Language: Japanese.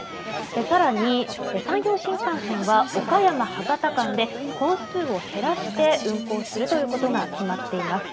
更に山陽新幹線は岡山博多間で本数を減らして運行するということが決まっています。